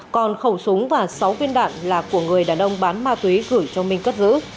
còn khẩu súng và sáu viên đạn là của người đàn ông bán ma túy gửi cho minh cất giữ